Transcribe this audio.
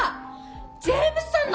ジェームスさんの！？